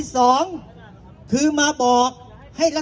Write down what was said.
สวัสดีครับ